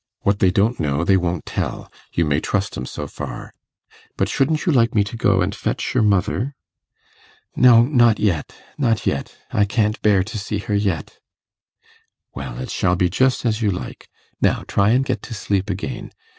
What they don't know, they won't tell; you may trust 'em so far. But shouldn't you like me to go and fetch your mother?' 'No, not yet, not yet. I can't bear to see her yet.' 'Well, it shall be just as you like. Now try and get to sleep again.